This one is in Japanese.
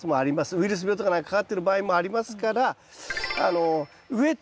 ウイルス病とかにかかってる場合もありますから植えてもですね